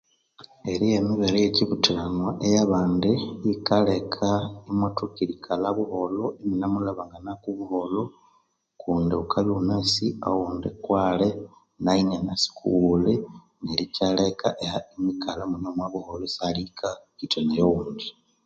Eryigha emibere eye kibuthiranwa eya bandi yikaleka imwa thoka eryikalha haghuma imune mulhabanganako buholho kundi ghuka bya ighunasi oghundi kwali nayo inya nasi kughuli neryo ikyaleka imwikalha imune omo buholho isahali oyu kahithanaya oghundi